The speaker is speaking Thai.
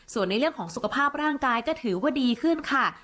ส่วนในเรื่องของสุขภาพร่างกายก็ถือว่าดีขึ้นค่ะ